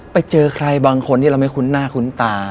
ไปเจอใครบางคนที่เราไม่คุ้นหน้าคุ้นตา